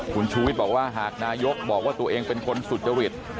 คุณชูวิทย์บอกว่าหากนายกบอกว่าตัวเองเป็นคนสุจริต